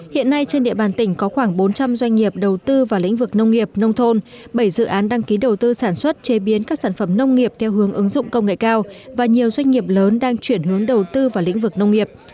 hiện nay trên địa bàn tỉnh có khoảng bốn trăm linh doanh nghiệp đầu tư vào lĩnh vực nông nghiệp nông thôn bảy dự án đăng ký đầu tư sản xuất chế biến các sản phẩm nông nghiệp theo hướng ứng dụng công nghệ cao và nhiều doanh nghiệp lớn đang chuyển hướng đầu tư vào lĩnh vực nông nghiệp